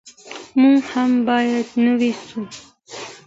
موږ هم باید نوي سو.